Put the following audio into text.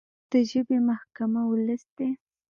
د ژبې محکمه ولس دی.